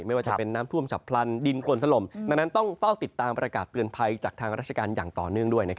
ไม่ว่าจะเป็นน้ำท่วมฉับพลันดินคนถล่มดังนั้นต้องเฝ้าติดตามประกาศเตือนภัยจากทางราชการอย่างต่อเนื่องด้วย